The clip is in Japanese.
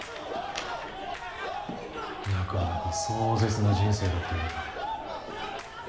なかなか壮絶な人生だったようだ。